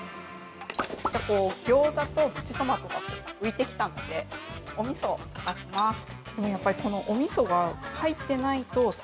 ◆ギョーザとプチトマトが浮いてきたので、おみそを溶かします。